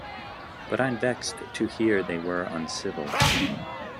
But I'm vexed to hear they were uncivil.